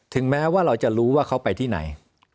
แม้ว่าเราจะรู้ว่าเขาไปที่ไหน